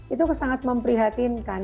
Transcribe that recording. itu sangat memprihatinkan